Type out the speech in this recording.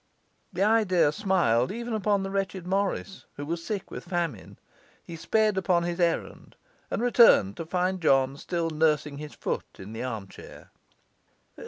The idea smiled even upon the wretched Morris, who was sick with famine. He sped upon his errand, and returned to find John still nursing his foot in the armchair.